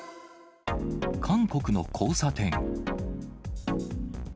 韓国の交差点。